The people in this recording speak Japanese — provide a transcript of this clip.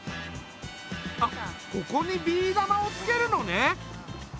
あっここにビー玉をつけるのね。